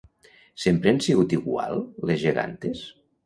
Sempre han sigut igual les gegantes?